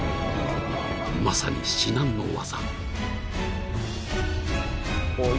［まさに至難の業］